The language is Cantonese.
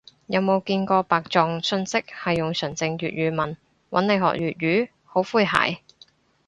有冇見過白撞訊息係用純正粵語問，搵你學粵語？好詼諧